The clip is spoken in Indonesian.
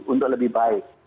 untuk lebih baik